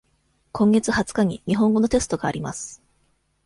今月二十日に日本語のテストがあります。